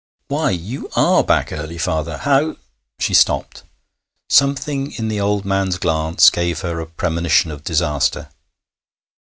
'Why! You are back early, father! How ' She stopped. Something in the old man's glance gave her a premonition of disaster.